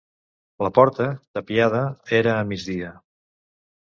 La porta, tapiada, era a migdia.